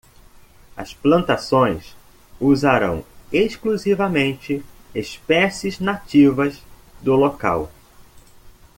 As plantações usarão exclusivamente espécies nativas do local.